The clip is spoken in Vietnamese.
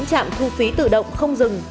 các hãng thu phí tự động không dừng